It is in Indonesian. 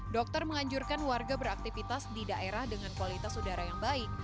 dokter menganjurkan warga beraktivitas di daerah dengan kualitas udara yang baik